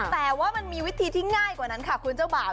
แต่ว่ามันมีวิธีที่ง่ายกว่านั้นค่ะคุณเจ้าบ่าว